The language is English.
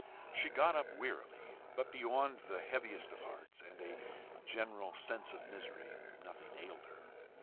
She got up wearily, but beyond the heaviest of hearts and a general sense of misery, nothing ailed her.